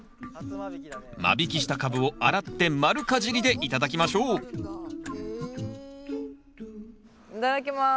間引きしたカブを洗って丸かじりで頂きましょういただきます。